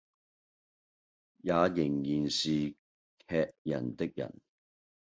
也仍然是喫人的人。